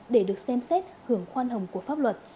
để được xem xét hưởng khoan hồng của pháp luật